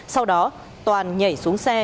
sau đó toàn nhảy xuống xe